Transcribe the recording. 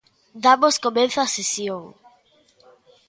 Damos comezo á sesión.